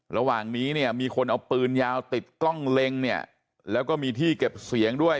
ระหว่างนี้เนี่ยมีคนเอาปืนยาวติดกล้องเล็งเนี่ยแล้วก็มีที่เก็บเสียงด้วย